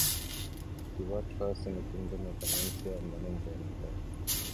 He worked first in the Kingdom of Valencia and then in Granada.